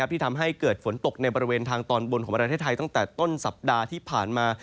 ที่ทำให้เกิดฝนตกในบริเวณทางตอนบนของประเทศไทยตั้งแต่ต้นสัปดาห์ที่ผ่านมา